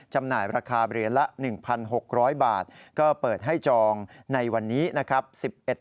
จำหน่ายราคาเหรียญละ๑๖๐๐บาท